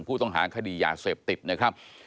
ผู้ต้องหาคดียาเสพติดนะครับ